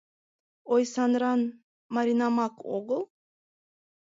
Ойсандран Маринамак огыл?